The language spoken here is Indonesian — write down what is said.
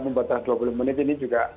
membantah dua puluh menit ini juga